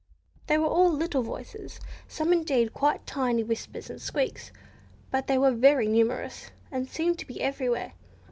They were all little voices, some indeed quite tiny whispers and squeaks, but they were very numerous, and seemed to be everywhere.